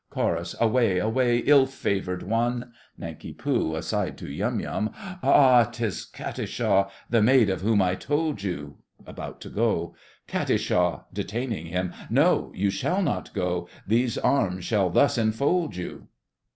CHORUS. Away, away! ill favoured one! NANK. (aside to Yum Yum). Ah! 'Tis Katisha! The maid of whom I told you. (About to go.) KAT. (detaining him). No! You shall not go, These arms shall thus enfold you!